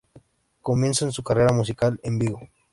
Comienzan su carrera musical en Vigo.